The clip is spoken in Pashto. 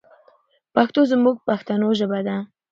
پښتو زموږ پښتنو ژبه ده.